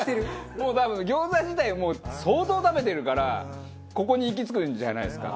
もう多分餃子自体をもう相当食べてるからここに行き着くんじゃないですか？